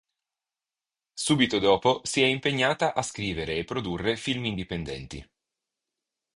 Subito dopo si è impegnata a scrivere e produrre film indipendenti.